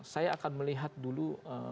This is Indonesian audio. saya akan melihat dulu